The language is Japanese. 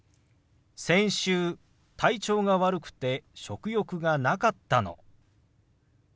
先週体調が悪くて食欲がなかったの。